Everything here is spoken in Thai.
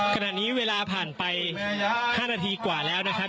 ขณะนี้เวลาผ่านไป๕นาทีกว่าแล้วนะครับ